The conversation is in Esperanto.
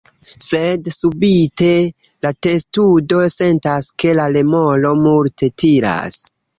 Sed subite, la testudo sentas ke la remoro multe tiras.